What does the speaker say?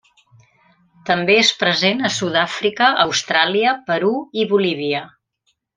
També és present a Sud-àfrica, Austràlia, Perú i Bolívia.